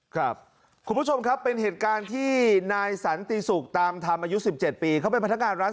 คุณผู้ชมครับเป็นเหตุการณ์ที่นายสันติศุกร์ตามธรรมอายุ๑๗ปีเขาเป็นพนักงานร้าน